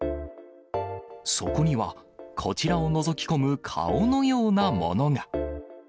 そこにはこちらをのぞき込む顔のようなものが。